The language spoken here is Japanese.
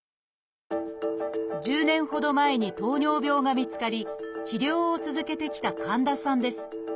１０年ほど前に糖尿病が見つかり治療を続けてきた神田さんです。